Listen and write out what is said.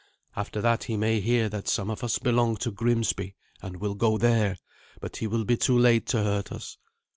After that he may hear that some of us belong to Grimsby, and will go there; but he will be too late to hurt us.